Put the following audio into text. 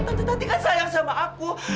tante tanti kan sayang sama aku